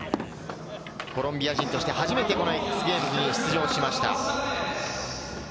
コロンビア人として初めてこのＸＧａｍｅｓに出場しました。